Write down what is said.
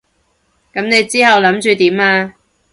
噉你之後諗住點啊？